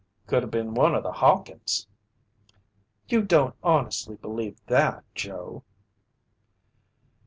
"Could have been one o' the Hawkins." "You don't honestly believe that, Joe."